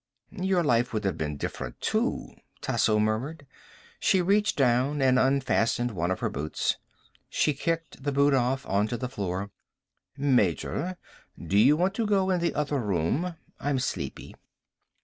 "Your life would have been different, too," Tasso murmured. She reached down and unfastened one of her boots. She kicked the boot off, onto the floor. "Major, do you want to go in the other room? I'm sleepy."